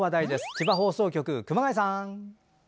千葉放送局、熊谷さん。